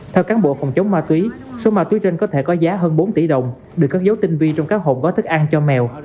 theo cán bộ phòng chống ma túy số ma túy trên có thể có giá hơn bốn tỷ đồng được cất dấu tinh vi trong các hộp có thức ăn cho mèo